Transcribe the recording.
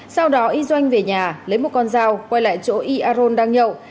sau đó y doanh về nhà lấy một con dao quay lại chỗ y aron đang nhậu